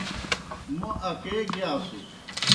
موْ اکے گِیاسُس۔